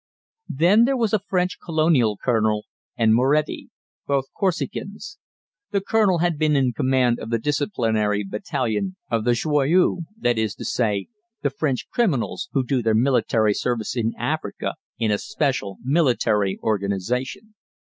Then there was a French colonial colonel and Moretti, both Corsicans. The colonel had been in command of the disciplinary battalion of the "Joyeux," that is to say, the French criminals who do their military service in Africa in a special military organization.